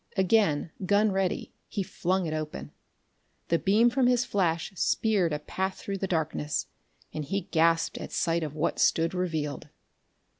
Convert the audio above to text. Again, gun ready, he flung it open. The beam from his flash speared a path through the blackness and he gasped at sight of what stood revealed.